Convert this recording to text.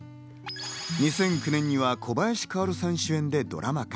２００９年には小林薫さん主演でドラマ化。